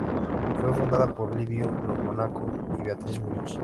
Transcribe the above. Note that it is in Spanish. Fue fundada por Livio Lo Monaco y Beatriz Muñoz.